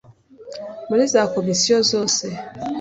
muri za komisiyo zose